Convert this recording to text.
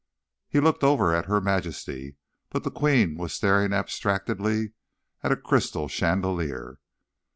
He looked over at Her Majesty, but the Queen was staring abstractedly at a crystal chandelier.